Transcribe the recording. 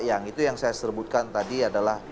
yang itu yang saya sebutkan tadi adalah